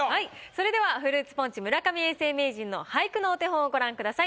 それではフルーツポンチ村上永世名人の俳句のお手本をご覧ください。